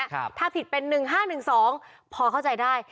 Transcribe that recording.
ถ้าผิดเป็น๑๕๑๒พอเข้าใจได้